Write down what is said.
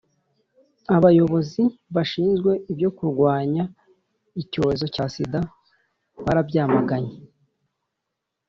abayobozi bashinzwe ibyo kurwanya icyorezo cya sida barabyamaganye,